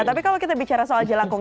tapi kalau kita bicara soal jelangkung